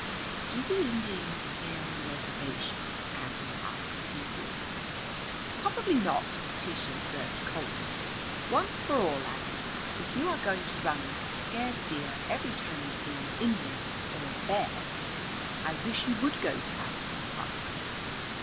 "Do the Indians stay on the reservation?" Aggie asked feebly. "Probably not," Tish observed coldly. "Once for all, Aggie if you are going to run like a scared deer every time you see an Indian or a bear, I wish you would go to Asbury Park."